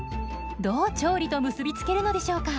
どう調理と結び付けるのでしょうか？